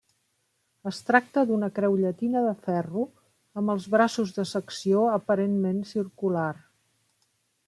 Es tracta d'una creu llatina de ferro, amb els braços de secció aparentment circular.